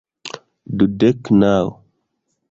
Dudek naŭ